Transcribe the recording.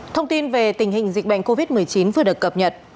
thông tin về tình hình dịch bệnh covid một mươi chín vừa được cập nhật